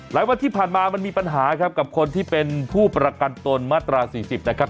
วันที่ผ่านมามันมีปัญหาครับกับคนที่เป็นผู้ประกันตนมาตรา๔๐นะครับ